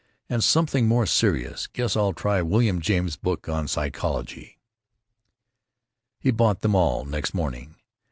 And something more serious. Guess I'll try William James's book on psychology." He bought them all next morning.